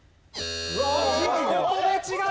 ここで違う。